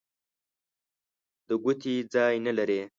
د ګوتې ځای نه لري.